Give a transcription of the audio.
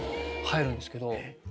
入るんですけど。